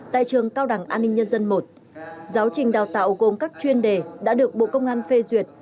tại trường cao đẳng an ninh nhân dân i giáo trình đào tạo gồm các chuyên đề đã được bộ công an phê duyệt